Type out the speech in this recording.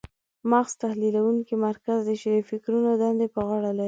مغز تحلیلونکی مرکز دی چې د فکرونو دندې په غاړه لري.